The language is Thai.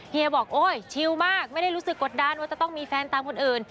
เฮียบอกโอ๊ยชิลมากไม่ได้รู้สึกกดดันว่าจะต้องมีแฟนตามคนอื่น